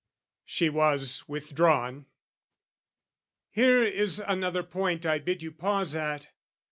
She was withdrawn. Here is another point I bid you pause at.